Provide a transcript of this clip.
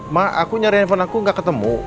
mak aku nyari handphone aku gak ketemu